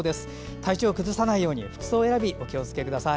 体調を崩さないように服装選び、お気をつけください。